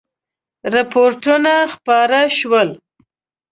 رپوټونه خپاره شول.